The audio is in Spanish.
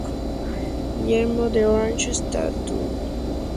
Guillermo de Orange, estatúder de ambas provincias era el líder del bando rebelde.